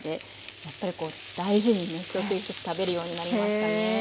やっぱりこう大事にね一つ一つ食べるようになりましたね。